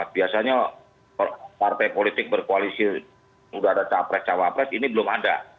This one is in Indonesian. biasanya partai politik berkoalisi sudah ada capres cawapres ini belum ada